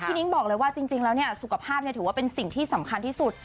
นิ้งบอกเลยว่าจริงแล้วสุขภาพถือว่าเป็นสิ่งที่สำคัญที่สุด